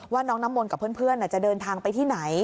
ว่าน้องน้ำมนต์กับเพื่อนจะเดินทางไปที่ไหน